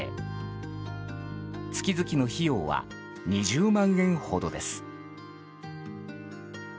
月々の費用は２０万円ほどです。